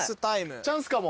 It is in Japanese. チャンスかも。